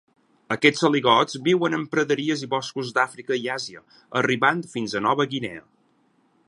Aquests aligots viuen en praderies i boscos d'Àfrica i Àsia, arribant fins Nova Guinea.